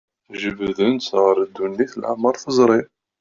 Jebbden-tt ɣer ddunit leɛmer teẓri.